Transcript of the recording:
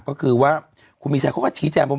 ก็คือว่าคุณมีชัยเขาก็ชี้แจงว่า